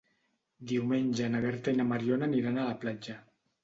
Diumenge na Berta i na Mariona aniran a la platja.